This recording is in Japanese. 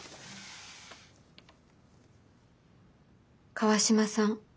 「川島さん